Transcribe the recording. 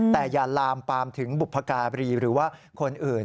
แต่อย่าลามปามถึงบุพการีหรือว่าคนอื่น